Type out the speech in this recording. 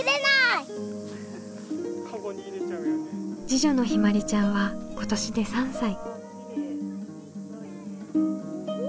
次女のひまりちゃんは今年で３歳。